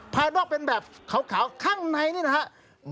ภายนอกเป็นแบบขาวข้างในนี่นะครับ